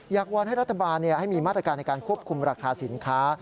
วอนให้รัฐบาลให้มีมาตรการในการควบคุมราคาสินค้า